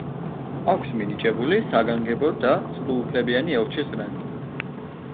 აქვს მინიჭებული საგანგებო და სრულუფლებიანი ელჩის რანგი.